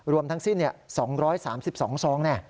รวมทั้งสิ้น๒๓๒ซอง